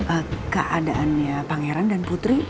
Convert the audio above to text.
apa keadaannya pangeran dan putri